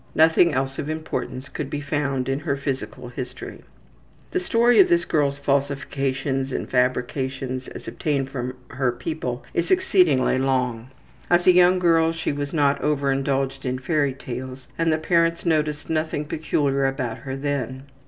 Nothing else of importance could be found in her physical history. The story of this girl's falsifications and fabrications as obtained from her people is exceedingly long. As a young child she was not over indulged in fairy stories, and the parents noticed nothing peculiar about her then.